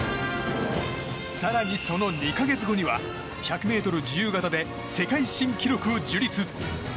更に、その２か月後には１００ｍ自由形で世界新記録を樹立！